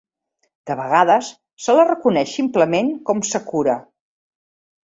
De vegades se la reconeix simplement com Sakura.